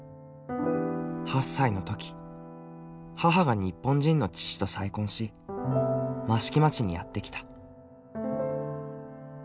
８歳の時母が日本人の父と再婚し益城町にやって来た。